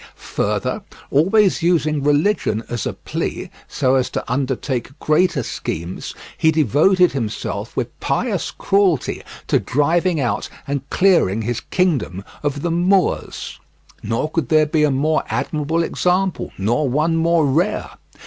Further, always using religion as a plea, so as to undertake greater schemes, he devoted himself with pious cruelty to driving out and clearing his kingdom of the Moors; nor could there be a more admirable example, nor one more rare.